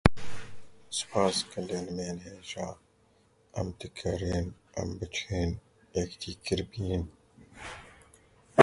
Li sê bajaran sêzdeh kes bi gumana gefxwarina li dikandarên Amedê hatin destserkirin.